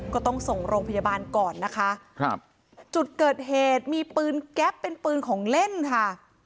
ก็ต้องส่งโรงพยาบาลก่อนนะคะครับจุดเกิดเหตุมีปืนแก๊ปเป็นปืนของเล่นค่ะ